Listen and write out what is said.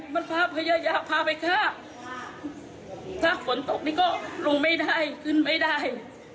มันพาพยายามพาไปข้ามถ้าฝนตกนี่ก็ลงไม่ได้ขึ้นไม่ได้